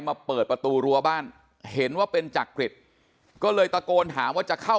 เปิดประตูรั้วบ้านเห็นว่าเป็นจักริตก็เลยตะโกนถามว่าจะเข้า